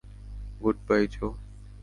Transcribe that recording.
Good bye, Joe.